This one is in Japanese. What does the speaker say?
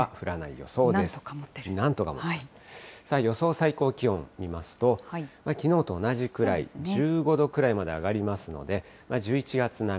予想最高気温、見ますと、きのうと同じくらい、１５度くらいまで上がりますので、１１月並み。